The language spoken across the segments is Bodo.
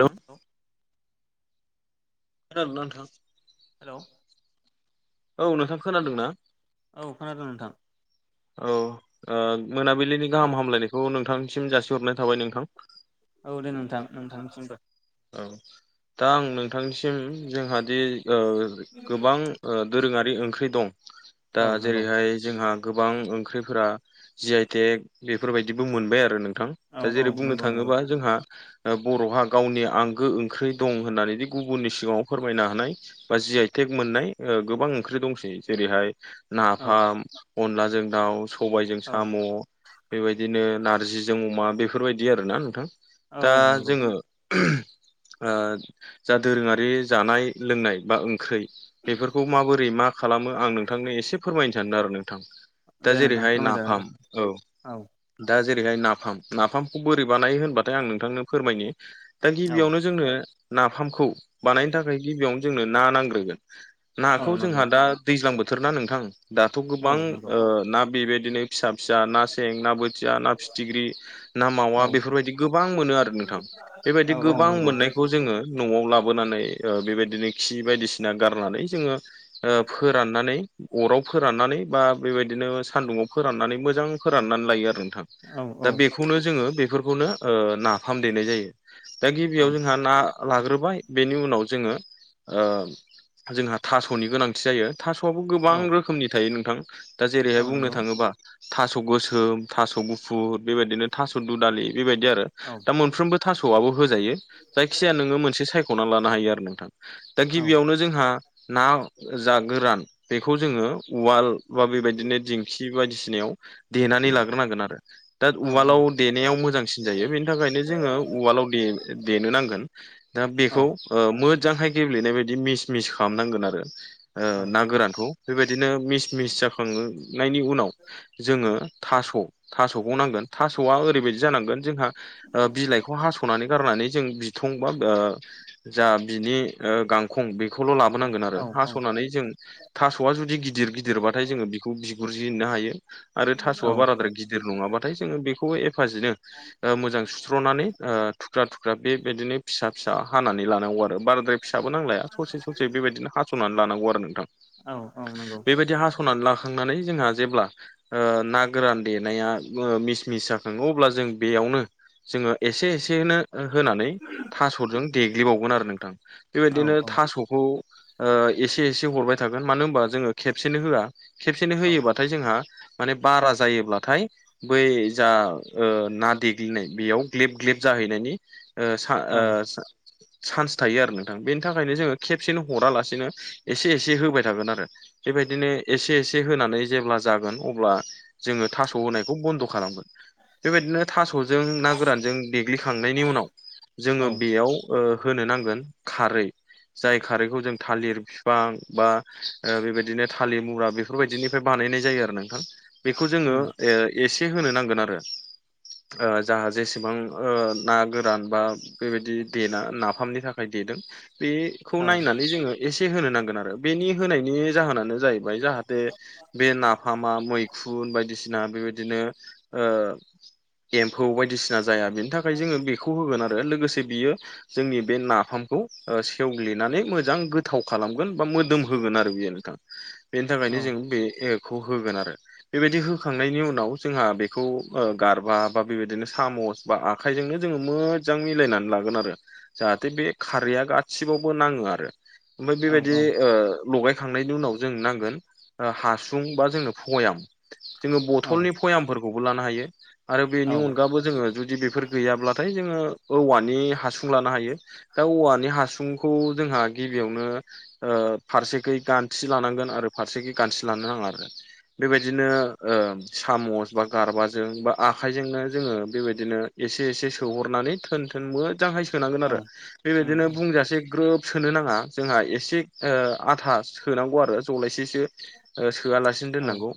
हेलौ खोनादोंना नोंथां हेलौ औ नोंथां खोनादोंना औ खोनादों नोंथां औ मोनाबिलिनि गाहाम हामलायनायखौ नोंथांनिसिम जासिहरनाय थाबाय नोंथां औ दे नोंथां नोंथांनिसिमबो औ दा आं नोंथांनिसिम जोंहा दि गोबां दोरोंङारि ओंख्रि दं दा औ नंगौ जेरैहाय जोंहा गोबां ओंख्रिफोरा जि आइटेक बेफोरबायदिबो मोनबाय आरो नोंथां औ दा औ जेरै बुंनो नंगौ नंगौ थांङोबा जोंहा बर'हा गावनि आंगो ओंख्रि दं होननानैदि गुबुननि सिगांङाव फोरमायनो हानाय बा जि आइ तेक मोननाय गोबां ओंख्रि दंसै जेरैहाय औ नाफाम अनलाजों दाउ सबायाइजों औ साम' बेबायदिनो नार्जिजों अमा बेफोरबायदि आरोना नोंथां औ दा औ नंगौ जोंङो जा दोरोंङारि जानाय लोंनाय बा ओंख्रै बेफोरखौ माबोरै मा खालामो आं नोंथांनो एसे फोरमायनो सानदों आरो नोंथां दा दे नोंथां जेरैहाय फोरमायजागोन दे नाफाम औ दा जेरैहाय नाफाम नाफामखौ बोरै बानायो होनबाथाय आं नोंथांनो फोरमायनो दा औ गिबियावनो जोंनो नाफामखौ बानायनो थाखाय गिबियावनो जोंनो ना नांग्रोगोन औ नाखौ नंगौ जोंहा दा दैज्लां बोथोर ना नोंथां दाथ' औ गोबां नंगौ ना बेबायदिनो फिसा फिसा ना सें ना बोथिया ना फिथिख्रि ना मावा औ बेफोरबायदि गोबां मोनो आरो नोंथां बेबायदि औ औ गोबां नंगौ मोननायखौ जोङो न'आव लाोनानै बेबायदिनो खि बायदिसिना गारनानै जोङो ओ फोराननानै अराव फोराननानै बा बेबायदिनो सानदुङाव फोराननानै मोजां फोराननानै लायो आरो नोंथां औ दा औ बेखौनो जोङो बेफोरखौनो ओ नाफाम देनाय जायो दा औ गिबियाव जोंहा ना लाग्रोबाय बेनि उनाव जोङो ओ जोंहा थास'नि गोनांथि जायो थास'याबो गोबां औ रोखोमनि थायो नोंथां दा औ जेरैहाय बुंनो नंगौ थाङोबा थास' गोसोम थास' गुफुर बेबायदिनो थास' दुदालि बेबायदि आरो औ दा मोनफ्रोमबो होजायो जायखि जाया नों मोनसे सायखना लानो हायो आरो नोंथ दा औ गयावनो जोंहा ना जा गोरान बेखौ जोङो उवाल बा बेबायदिनो दिंखि बायदिसिनायाव देनानै लाग्रोनांगोन आरो दा औ उवालाव देनायाव मोजांसिन जायो बेनि थाखायनो जोङो उवालाव दे दनो नांगोन दा औ बेखौ मोजांहाय ओ गेब्लेनाय बायदि मिस मिस खालामनांगोन आरो ओ ना गोरानखौ बेबायदिनो मिस मिस जाखांनायनि उनाव जोङो थास' थास'खौ नांगोन थास'आ ओरैबायदि जानांगोन जोंहा ओ बिलाइखौ खौ हासनानै गारनानै जों बिथं बा ओ जा बिनि गां खं बेखौल' लाबोनांगोन आरो हास'नानै जों थास'आ जुदि गिदिर गिदिरबाथाय जोो बेखौ गुरजिननो हायो आरो औ थास'आ बाराद्राय गिदिर नङाबाथाय जोङो बेखौ एफाजिनो मोजां सुस्र'नानै थुख्रा थुख्रा बेबायदिनो फिसा फिसा हानानै लानांगौ आरो बाराद्राय फिसाबो नांलाया ससे ससे बेबायदिनो हास'नानै लानांगौ आरो नोंथां औ औ नंगौ बेबायदि हास'नानै लाखांनानै जोंहा जेब्ला ओ ना गोरान देनाया मिसमिस जाखाङो अब्ला जों बेयावनो जोङो एसे एसेनो होनानै थास'जों देग्लिबावगोन आरो नोंथां औ बेबायदिनो थास'खौ ओ एसे एसे हरबाय थागोन मानो होनबा जोङो खेबसेनो होया खेबसेनो होयोबा औ थाय जोंहा माने बारा जायोब्लाथाय बै जा ओ ना देग्लिनाय बेयाव ग्लिब ग्लिब जाहैनायनि ओ सा औ ओ‌ सा चान्स थायो आरो नोंथां बेनि थाखायनो जोङो खेबसेनो हरालासेनो एसे एसे होबाय थागोन आरो बेबायदिनो एसे एसे होनानै जेब्ला जागोन अब्ला जोङो थास' होनायखौ बन्द' खालामगोन बेबायदिनो थास'जों ना गोरान जों देग्लिखांनायनि उनाव औ जोङो बेयाव ओ होनो नांगोन खारै जाय खारैखौ जों थालिर फिफां बा ओ बेबायदिनो थालिर मुरा बे फोरबायदिनिफ्राय बानायनाय जायो आरो नोंथां बेखौ जोङो उम ओ एसे होनो नांगोन आरो ओ जा जेसे सेबां ओ ना गोरान बा बेबायदि देना नाफामनि थाखाय देदों बे खौ औ औ नायनानै जोङो एसे होनो नांगोन आरो बेनि होनायनि जाहोनानो जाहैबाय जाहाथे बे नाफामा मैखुन बायदिसिना बेबायदिनो ओ एमफौ बायदिसिना जाया बेनि थाखाय जोङो बेखौ होगोन आरो लोगोसे बियो जोंनि बे नाफामखौ ओ सेवग्लिनानै मोजां गोथाव खालामगोन बा मोदोम होगोन आरो बेयो नोंथां बेनि थाखायनो जों बेखौ होगोन आरो बेबायदि होखांनायनि उनाव जोंहा बेखौ ओ गारबा बा बेबायदिनो सामस बा आखाइजोंनो जोङो मोजां मिलायनानै लागोन आरो जाहाथे बे खारैया गासिबावबो नाङो आरो ओमफ्राय औ बेबायदि औ ओ लगाय खांनायनि उनाव जों नांगोन ओ हासुं बा जोंनो फयाम जोङो बथलनि औ फयामफोरखौबो लानो हायो आरो औ बेनि अनगाबो जोङो जु दि बेफोर गैयाब्लाथाय जोङो औवानि हासुं लानो हायो दा औवानि हासुंखौ जोंहा गिबियावनो ओ फारसेखो गानथि लानांगोन आरो फारसेखै गानथि लानो नाङा आरो बेबायदिनो ओ सामस बा गारबाजों बा आखायजोंनो जोङो बेबायदि दिनो एसे एसे सोहरनानै थोन थोन मो जांहाय सोनांगोन आरो औ उम बेबायदिनो बुंजासे ग्रोब सोनो नाङा जोंहा एसे ओ आथा सोनांगौ आरो जलायसे से ओ सोआलासिनो औ दोननांगौ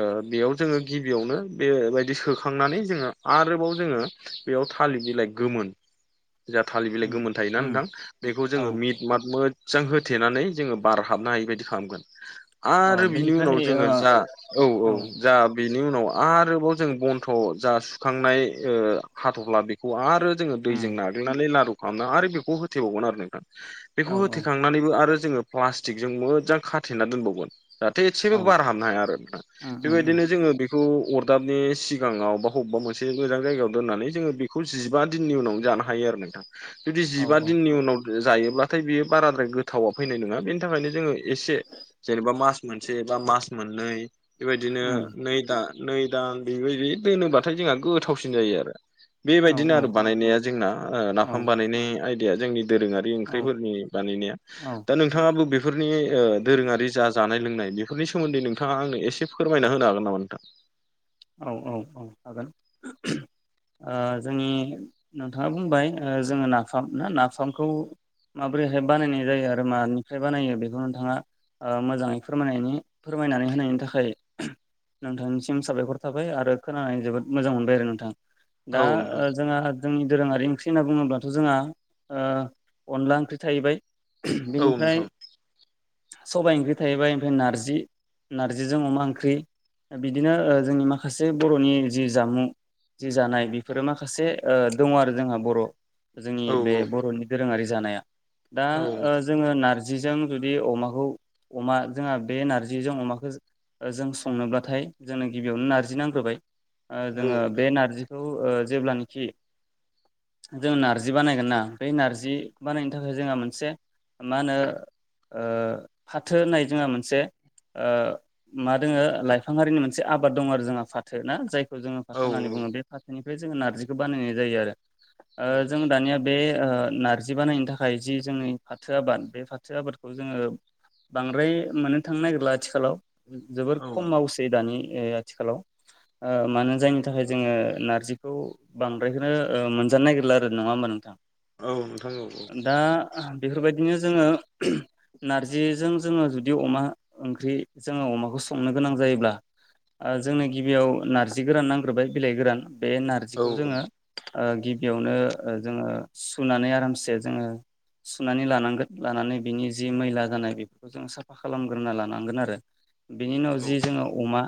ओ बेयाव जोङो गिबियावनो बेबायदि सोखांनानै जोङो आरोबाव जोङो बेयाव थालिर बिलाय गोमोन जोंहा थालिर बिलाइ उम गोमोन थायोना उम नोंथां बेखौ जोङो औ मिट मोजां होथेनानै जोङो बार हाबनो हायि बायदि खालामगोन अ आरो बिनि उनाव बेनिफ्राय ओ जोङो जा औ औ जा बेनि उनाव आरोबाव जों बन्थ' जा सुखांनाय ओ हाथ'फ्ला बेखौ आरो जोङो दैजों उम नाग्लिनानै लारु खालामना आरो बेखौ होथबावगोन आरो नोंथां औ बेखौ औ होथेखां नानै आरो जोङो प्लासटिकजों मोजां खाथेना दोनबावगोन जाहाथे एसेबो औ बार हाबनो हाया आरो नोंथां उम उम उम बेबायदिनो जोङो बेखौ अरदाबनि सिगाङाव बा बबेबा मोनसे मोजां जायगायाव दोननानै जोङो बेखौ जिबा दिननि उनाव जानो हायो आरो नोंथां जुदि औ जिबा औ दिननि उनाव जायोब्लाथाय बियो बाराद्राय गोथावा फैनाय नङा बेनि थाखायनो जोङो एसे जेनेबा मास मोनसे बा मास मोननै बेबायदिनो उम नै दान नै दान बेबायदि दोनोब्लाथाय जोंहा गोथावसिन जायो आरो औ बेबायदिनो आरो औ बानायनाया जोंना ओ नाफाम औ बानायनाय आयदाया जोंनि दोरोङारि औ ओंख्रिफोरनि बानायनाया औ दा नों थाङाबो बेफोरनि ओ दोरोङारि जा जानाय लोंनाय बेफोरनि सोमोन्दै नोंथाङा आंनो एसे फोरमायना होनो हागोन नामा नोंथां औ औ औ हागोन ओ जोंनि नोंथाङा बुंबाय ओ जों नाफाम ना नाफामखौ माबोरैहाय बानायनाय जायो आरो मानिफ्राय बानायो बेखौ नोंथाङा ओ मोजाङै फोरनायनि फोरमायनानै होनायनि थाखाय नोंथांनिसिम साबायखर थाबाय आरो खोनानानै जोबोद मोजां मोनबाय आरो नोंथां औ दा नोंथां ओ जोंहा जोंनि दोरोङारि ओंख्रि होनना बुङोब्लाथ' जोंहा ओ अनला ओंख्रि थाहैबाय। औ बेनिफ्राय नोंथां सबाय ओंख्रि थाहैबाय ओमफ्राय नारजि नार्जिजों अमा ओंख्रि बिदिनो जोंनि ओ माखासे बर'नि जि जामुं जि जानाय बेफोरो माखासे ओ दङ आरो जोंहा बर' जोंनि औ बे औ बर'नि दोरोङारि जानाया दा औ ओ नोंथां जोङो नारजि नारजिजों जुदि अमाखौ अमा जोंहा बे नार्जिजों अमाखौ। जों संनोब्लाथाय जोंनो गिबियावनो नारजि नांग्रोबाय ओ जोङो बे नारजिखौ ओ जेब्लानाखि जों नारजि बानायगोन ना बे नार्जि बानायनो थाखाय जोंहा मोनसे मा होनो ओ फाथो होननाय जोंहा मोनसे ओ मा दोङो लाइफां हारिनि मोनसे आबाद दं आरो जोंहा फाथो ना जायखौ जोङो औ फाथो होन्नानै बुङो बे नोंथां फाथोनिफ्राय जोङो नारजिखौ बानायनाय जायो आरो। औ ओ‌ जों दानिया बे ओ नारजि बानायनो थाखाय जि जोंनि फाथो आबाद बे फाथो आबादखौ जोङो बांद्राय मोननो थांनो नागिरला आथिखालाव जोबोर औ खम मावसै दानि आथिखालाव ओ मानो जायनि थाखाय जोङो नारजिखौ बांद्रायखौ ओ मोनजानो नागिरला आरो नङा होमबा औ औ नोंथां दा बेफोरबायदिनो जोङो नारजिजों जोङो जुदि अमा ओंख्रि जोङो अमाखौ संनो गोनां जायोब्ला जोंनो गिबियाव नारजि गोरान नांग्रोबाय बिलाइ गोरान बे औ नोंथां औ नोंथां औ नोंथां औ नारजिखौ जोङो नोंथां ओ गिबियावनो जोङो सुनानै आरामसे जोङो सुनानै लानांगोन लानानै बिनि जि मैला जानाय बे खौ जों साफा खालामग्रोना लानांगोन आरो बेनि उनाव जि जोङो अमा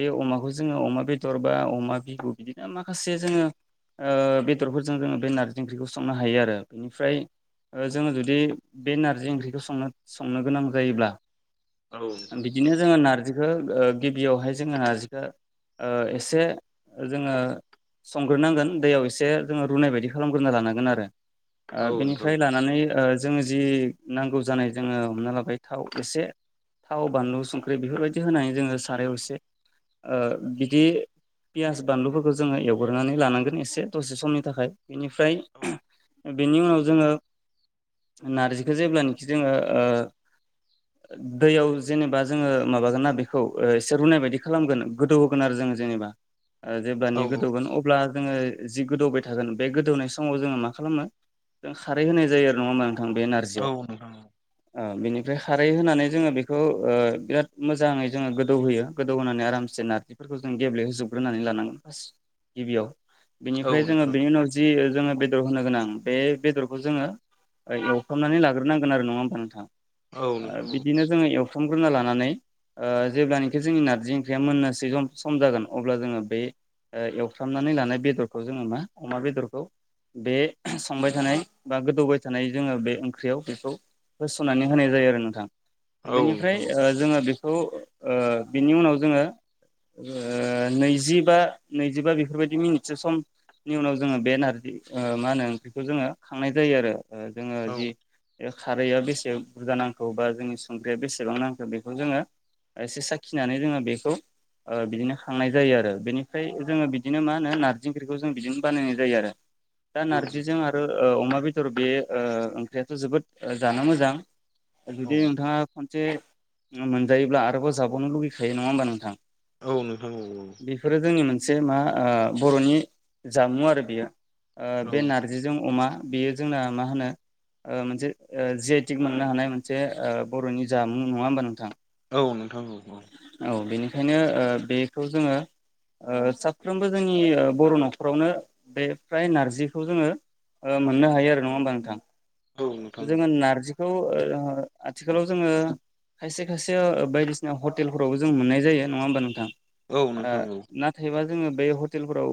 बे अमा खौ जोङो अमा बेदर बा अमा बिहु बिदिनो माखासे जोङो ओ बेदरफोरजों जोङो बे नारजि ओंख्रिखौ संनो हायो आरो बेनिफ्राय जोङो जुदि बे नारजि ओंख्रिखौ संनो संनो गोनां जायोब्ला औ नोंथां औ नोंथां औ नोंथां बिदिनो जोङो नारजिखौ गिबियावहाय जोङो नारजिखौ ओ एसे जोङो संग्रोनांगोन दैयाव एसे जोङो रुनाय बायदि खालामग्रोना लानांगोन आरो बेनिफ्राय लानानै जोङो जि नांगौ जानाय जोङो हमना लाबाय थाव एसे थाव बानलु संख्रि बेफोरबायदि होनानै जोङो साराय असे ओ बिदि पियास बानलुफोरखौ जोङो एवग्रोनानै लानांगोन एसे दसे समनि थाखाय बेनिफ्राय बेनि उनाव जोङो नारजिखौ जेब्लानाखि जोङो ओ दैयाव जेनेबा जोङो माबागोन ना बेखौ एसे रुनाय बायदि खालामगोन। गोदौ होगोन आरो जोंङो जेनेबा जेब्लानि गोदौगोन अ ब्ला जोङो जि गोदौबाय थागोन बे गोदौनाय समाव जोङो मा खालामो जों खारै होनाय जायो आरो नङा मा नोंथां बे ना औ नोंथां औ ओ बिनिफ्राय खारै होनानै जोङो बेखौ ओ बिराद मोजाङै जोङो गोदौहोयो गोदौ होनानै आराम से नारजिफोरखौ जों गेब्ले होजोबग्रोनानै लानांगोन फार्स गिबियाव बेनिफ्राय जोङो बेनि उनाव जि जोङो बेदर होनो गोनां बे बेदरखौ जोङो ओ एवफ्रामनानै लाग्रोनांगोन आरो नङा होमबा नोंथां ओ बिदिनो जोङो एवफ्रामग्रोना लानानै जेब्लानाखि जोंनि नारजि ओं ख्रिया मोननोसै सम जागोन अब्ला जोङो बे ओ एवफ्रामनानै लानाय बेदरखौ जोङो मा अमा बेदरखौ बे संबाय थानाय बा गोदौबाय थानाय जोङो बे ओंख्रियाव बेखौ होस'नानै होनाय जायो आरो नोंथां बेनिफ्राय जोङो बेखौ ओ बिनि उनाव जोङो ओ नैजिबा नैजिबा बेफोरबायदि मिनिटसो सम नि उनाव जोङो बे नारजि मा होनो ओंख्रिखौ जोङो खांनाय जायो आरो जोङो जि बे खारैया बेसे बुरजा नांगौ बा जोंनि संख्रिया बेसेबां नांगौखौ बेखौ जोङो एसे साखिनानै जोङो बेखौ ओ बिदिनो खांनाय जायो आरो बेनिफ्राय जोङो बिदिनो मा होनो नारजि ओख्रिखौ जों बिदिनो बानायनाय जायो आरो दा नारजिजों आरो ओ अमा बेदर बे ओ ओंख्रियाथ' जोबोद जानो मोजां जुदि नोंथाङा खनसे मोनजायोब्ला आरोबाव जाबावनो लुगैखायो नङा होमबा नोंथां औ नोंथां औ औ बेफोरो जोंनि मोनसे मा आ बर'नि जामुं आरो बियो ओ औ बे नारजिजों अमा बेयो जोंना मा होनो ओ मोनसे जि आइटिक मोननो हानाय मोनसे ओ बर'नि जामुं नङा होमबा नोंथां औ नोंथां औ औ औ बेनिखायनो ओ बेखौ जोङो ओ साफ्रोमबो जोंनि बर' न'खरावनो बे फ्राय नारजिखौ जोङो मोननो हायो आरो नङा होमबा नोंथां औ नोंथां औ जोङो नारजि खौ आथिखालाव जोङो [unintelligible] खायसे खायसे बायदिसिना हटेलफोरावबो जों मोननाय जायो नङा होमबा नोंथां औ नोंथां औ ना एबा जोङो बे हटेलफोराव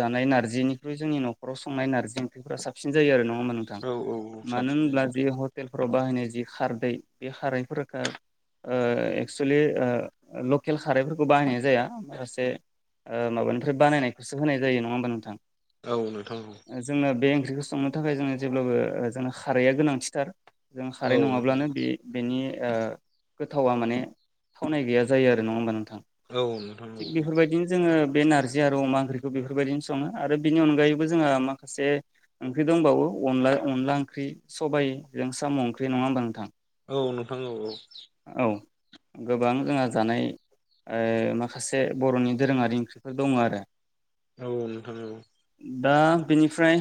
जानाय नारजिनिख्रु जोंनि नखराव संनाय नारजि ओंख्रिफोरा साबसिन जायो आरो नङा होनबा नोंथां औ औ मोजां मानो साबसिन जायो होनब्ला ज हटेलफोराव बाहायनाय जि खारदै बे खारैफोरखौ एक्ससलि [unintelligible] लकेल खारैफोरखौ बाहायनाय जाया माखासे माबानिफ्राय बानायनायखौसो होनाय जायो नङा होमबा नोंथां औ नोंथां जोङो बे ओंख्रिखौ संनो थाखाय जोङो जेब्लाबो जोंनो खारैया गोनांथिथार जों औ नोंथां खारै औ नोंथां नङाब्लानो बे बेनि गोथावा माने थावनाय गैया जायो आरो नङा होनबा नोंथां औ नोंथां थि औ बेफोरबायदिनो जोङो बे नारजि आरो अमा ओंख्रिखौ बेफोरबायदिनो सङो आरो बिनि अनगायैबो जोंहा माखासे ओंख्रि दंबावो अन अनला ओंख्रि सबाइजों साम' ओंख्रि नङा होमबा नोंथां औ नोंथां औ औ औ गोबां जोंहा जानाय माखासे बर'नि दोरोङारि ओंख्रिफोर दङ आरो औ नोंथां औ दा बेनिफ्राय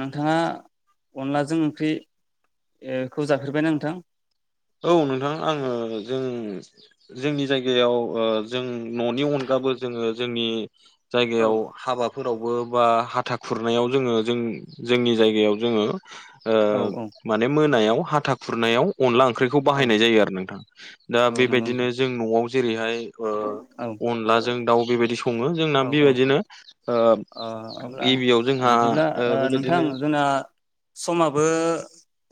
नोंथाङा अनलाजों ओंख्रि खौ जाफेरबायना नोंथां औ नोंथां आङो जों जोंनि जायगायाव जों न'नि अनगाबो जोङो जोंनि औ जायगायाव हाबाफोरावबो बा हाथा खुरनायाव जोङो जों जोंनि जायगायाव जोङो औ औ माने मोनायाव हाथा खुरनायाव अनला ओंख्रिखौ औ बाहायनाय जायो आरो नोंथां दा औ नंगौ नोंथां बेबायदिनो जों न'आव जेरैहाय औ अनलाजों दाउ बेबायदि सङो जोंना औ औ बेबायदिनो ओ अब्ला गिबियाव जोंहा बिदिब्ला ओ नोंथां बेबायदिनो जोंना समाबो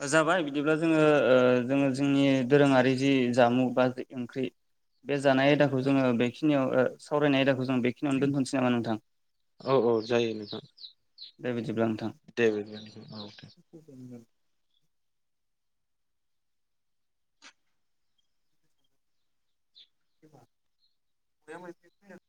जाबाय बिदिब्ला जोङो जोङो जोंनि दोरोङारि जि जामुं बा ओंख्रि बे जानाय आयदाखौ जोङो बेखिनियाव सावरायनाय आयदाखौ जों बेखिनियावनो दोन्थ'नोसै नामा नोंथां औ औ जायो नोंथां दे बिदिब्ला नोंथां। दे बिदिब्ला नोंथां औ दे [inaudible] दे होनबा [unintelligible]